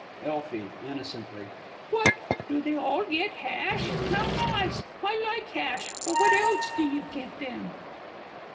Elfie (innocently). What, do they all get hash? How nice! I like hash, but what else do you give them?